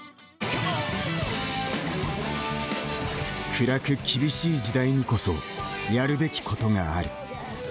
暗く厳しい時代にこそやるべきことがある。